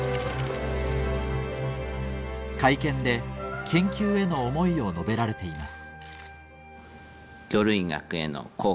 会見で研究への思いを述べられています